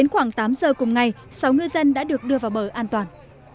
hôm nay sáu ngư dân đã được đưa vào bờ an toàn